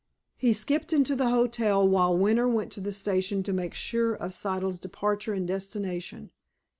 He skipped into the hotel, while Winter went to the station to make sure of Siddle's departure and destination.